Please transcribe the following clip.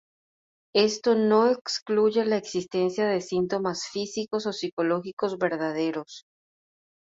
Esto no excluye la existencia de síntomas físicos o psicológicos verdaderos.